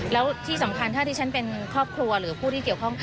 แล้วที่สำคัญถ้าที่ฉันเป็นครอบครัวหรือผู้ที่เกี่ยวข้อง